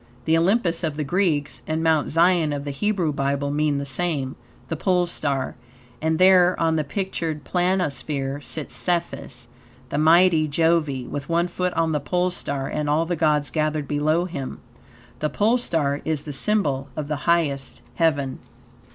The Olympus of the Greeks and Mount Zion of the Hebrew Bible mean the same, the Pole Star; and there, on the pictured planisphere, sits Cephus, the mighty Jove, with one foot on the Pole Star and all the gods gathered below him. The Pole Star is the symbol of the highest heaven.